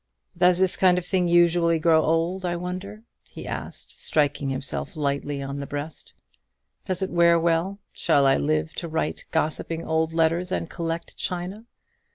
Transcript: Does this kind of thing usually grow old, I wonder?" he asked, striking himself lightly on the breast. "Does it wear well? Shall I live to write gossiping old letters and collect china?